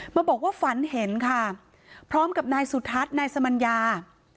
มาบอกว่าฝันเห็นค่ะพร้อมกับนายสุทัศน์นายสมัญญา